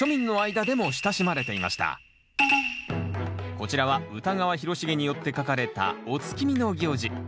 こちらは歌川広重によって描かれたお月見の行事。